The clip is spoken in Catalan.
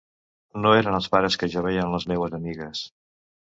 No eren els pares que jo veia en les meues amigues.